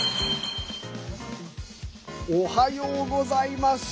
おはようございます。